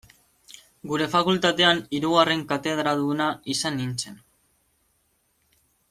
Gure fakultatean, hirugarren katedraduna izan nintzen.